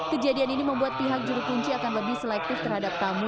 kejadian ini membuat pihak juru kunci akan lebih selektif terhadap tamu